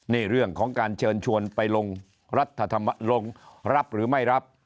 นี่เรื่องของการเชิญชวนไปลงรับหรือไม่รับ